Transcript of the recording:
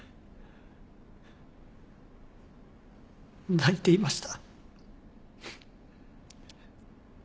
泣いていました。